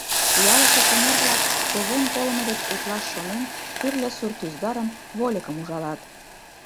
Ялысе шемер-влак, шужен колымо деч утлаш шонен, тӱрлӧ сурт ӱзгарым, вольыкым ужалат.